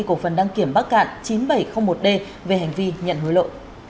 của phần đăng kiểm bắc cạn chín nghìn bảy trăm linh một d về hành vi nhận hối lộ